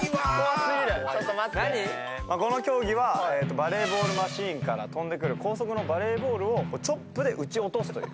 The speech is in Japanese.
バレーボールマシンから飛んでくる高速のバレーボールをチョップで打ち落とすという。